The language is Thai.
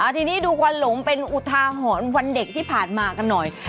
ทีนี้ดูควันหลงเป็นอุทาหรณ์วันเด็กที่ผ่านมากันหน่อย